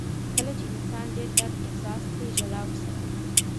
• کله چې انسان ډېر درد احساس کړي، ژړا ورسره وي.